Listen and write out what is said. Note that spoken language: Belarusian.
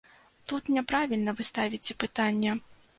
Тут няправільна вы ставіце пытанне.